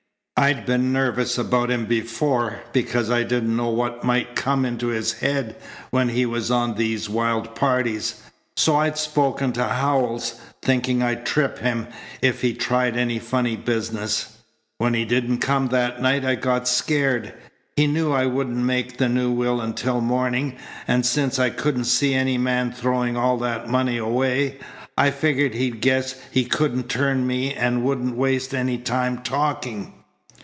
I'd been nervous about him before, because I didn't know what might come into his head when he was on these wild parties. So I'd spoken to Howells, thinking I'd trip him if he tried any funny business. When he didn't come that night I got scared. He knew I wouldn't make the new will until morning, and since I couldn't see any man throwing all that money away, I figured he'd guessed he couldn't turn me and wouldn't waste any time talking.